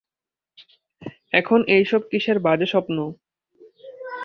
এখন, এইসব কিসব বাজে স্বপ্ন?